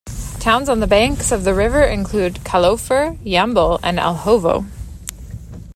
Towns on the banks of the river include Kalofer, Yambol and Elhovo.